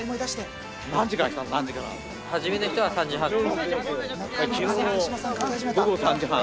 初めの人は３時半。